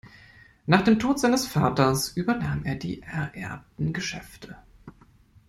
Nach dem Tod seines Vaters, übernahm er die ererbten Geschäfte.